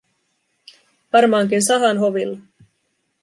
Varmaankin Sahan hovilla.